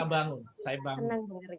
selalu kita bangun saya bangun